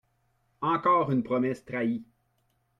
Encore une promesse trahie